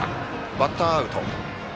バッターアウト。